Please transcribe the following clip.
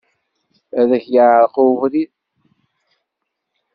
Ad ak-yeɛreq ubrid.